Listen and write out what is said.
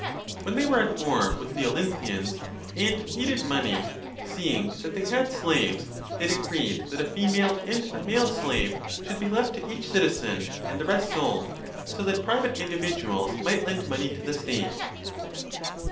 When they were at war with the Olynthians and needed money, seeing that they had slaves they decreed that a female and a male slave should be left to each citizen and the rest sold, so that private individuals might lend money 15 to the state.